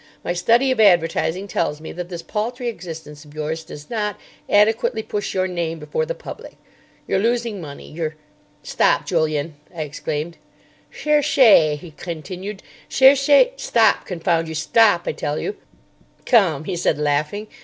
My study of advertising tells me that this paltry existence of yours does not adequately push your name before the public. You're losing money, you're——" "Stop, Julian," I exclaimed. "Cherchez," he continued, "cherchez——" "Stop! Confound you, stop! I tell you——" "Come," he said laughing.